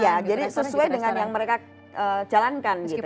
ya jadi sesuai dengan yang mereka jalankan gitu kan